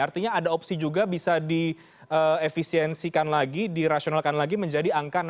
artinya ada opsi juga bisa diefisiensikan lagi dirasionalkan lagi menjadi angka enam puluh